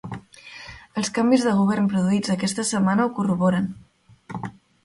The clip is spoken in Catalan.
Els canvis de govern produïts aquesta setmana ho corroboren.